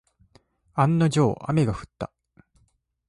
案の定、雨が降った。